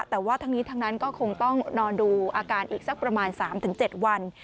แต่ว่าทั้งนี้ทั้งนั้นก็คงต้องนอนดูอาการอีกสักประมาณ๓๗วัน